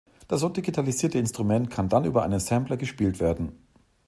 Das so digitalisierte Instrument kann dann über einen Sampler gespielt werden.